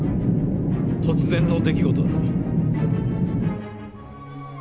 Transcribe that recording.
突然の出来事だった」。